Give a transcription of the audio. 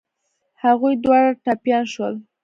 هغوی دواړه ټپيان شول.